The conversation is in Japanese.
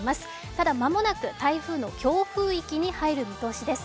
ただ、間もなく台風の強風域に入る見通しです。